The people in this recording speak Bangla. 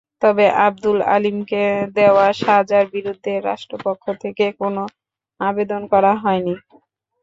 তবে আবদুল আলীমকে দেওয়া সাজার বিরুদ্ধে রাষ্ট্রপক্ষ থেকে কোনো আবেদন করা হয়নি।